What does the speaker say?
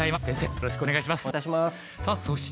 よろしくお願いします。